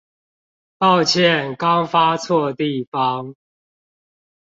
抱歉剛發錯地方